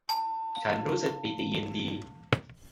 ฉันรู้สึกปิติยินดี